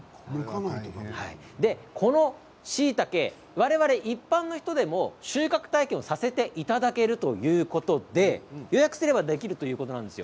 このしいたけ、我々一般の人でも収穫体験をさせていただけるということで予約すればできるということです。